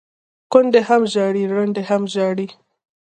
ـ کونډې هم ژاړي ړنډې هم ژاړي،